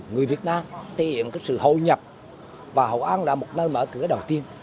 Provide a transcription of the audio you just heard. người việt nam thể hiện sự hội nhập và hội an là một nơi mở cửa đầu tiên